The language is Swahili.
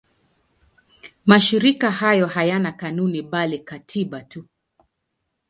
Mashirika hayo hayana kanuni bali katiba tu.